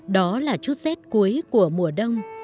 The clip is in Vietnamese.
đó là chút xét cuối của mùa đông